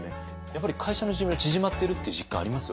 やっぱり会社の寿命縮まってるっていう実感あります？